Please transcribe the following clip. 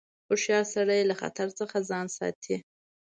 هوښیار سړی له خطر څخه ځان ساتي.